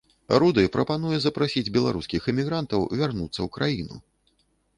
Руды прапануе запрасіць беларускіх эмігрантаў вярнуцца ў краіну.